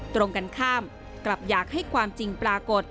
ตรงกันข้ามกลับอยากให้ความจริงปรากฏ